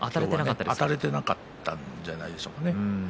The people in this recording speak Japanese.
あたれていなかったんじゃないですかね。